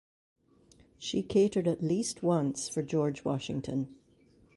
She catered at least once for George Washington.